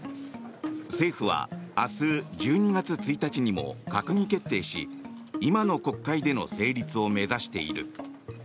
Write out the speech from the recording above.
政府は明日１２月１日にも閣議決定し今の国会での成立を目指している。